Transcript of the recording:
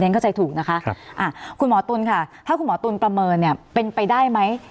เข้าใจถูกนะคะคุณหมอตุ๋นค่ะถ้าคุณหมอตุลประเมินเนี่ยเป็นไปได้ไหม